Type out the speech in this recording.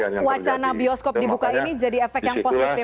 tapi wacana bioskop dibuka ini jadi efek yang positif